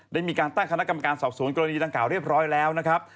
ได้มีการตั้งคณะกรรมการสอบสวนกรณีดังกล่าวเรียบร้อยแล้วนะครับ